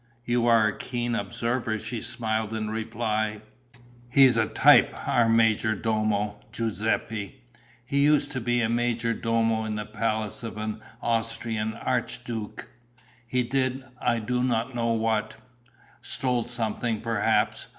"You are a keen observer," she smiled in reply. "He's a type, our major domo, Giuseppe. He used to be major domo in the palace of an Austrian archduke. He did I don't know what. Stole something, perhaps.